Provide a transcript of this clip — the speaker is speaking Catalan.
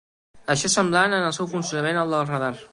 Això és semblant en el seu funcionament al del radar.